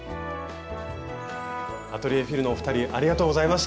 アトリエＦｉｌのお二人ありがとうございました！